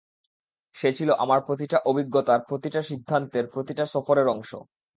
সে ছিল আমার প্রতিটা অভিজ্ঞতার, প্রতিটা সিদ্ধান্তের, প্রতিটা সফরের অংশ।